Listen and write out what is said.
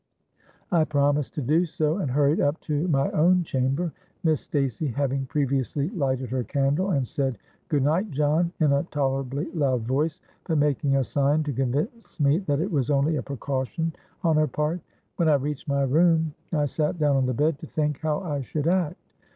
'—I promised to do so, and hurried up to my own chamber, Miss Stacey having previously lighted her candle and said, 'Good night, John,' in a tolerably loud voice, but making a sign to convince me that it was only a precaution on her part. When I reached my room, I sate down on the bed to think how I should act.